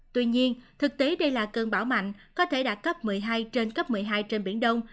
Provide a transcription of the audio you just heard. tuy nhiên thực tế đây là cơn bão mạnh có thể đạt cấp một mươi hai trên cấp một mươi hai trên biển đông